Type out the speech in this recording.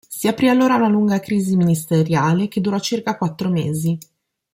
Si aprì allora una lunga crisi ministeriale che durò circa quattro mesi.